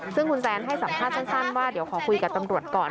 ซึ่งคุณแซนให้สัมภาษณ์สั้นว่าเดี๋ยวขอคุยกับตำรวจก่อน